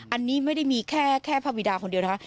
อันนี้ไม่ได้มีแค่ภาวีดาคนเดียวนะคะ